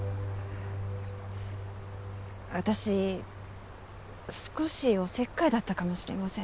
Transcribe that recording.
私少しおせっかいだったかもしれません。